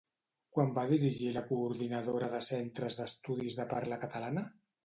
Quan va dirigir la Coordinadora de Centres d'Estudis de Parla Catalana?